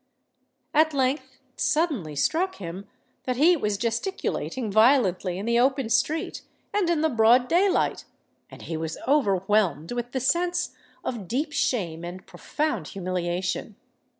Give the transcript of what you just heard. At length it suddenly struck him that he was gesticulating violently in the open street and in the broad day light; and he was overwhelmed with a sense of deep shame and profound humiliation.